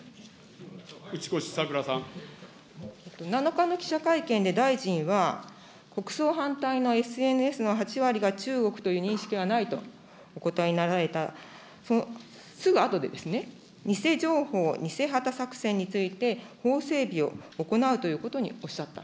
７日の記者会見で、大臣は、国葬反対のＳＮＳの８割が中国という認識はないとお答えになられた、そのすぐあとで、偽情報、偽旗作戦について、法整備を行うということに、おっしゃった。